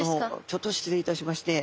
ちょっと失礼いたしまして。